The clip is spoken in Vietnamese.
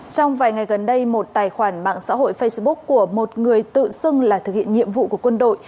trong vài ngày gần đây một tài khoản mạng xã hội facebook của một người tự xưng là thực hiện nhiệm vụ của quân đội